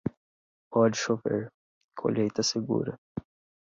Pode chover, colheita segura.